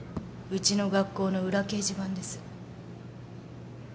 うちの学校の裏掲示板です。